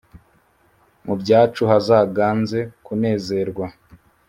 mu byacu hazaganze kunezerwa!”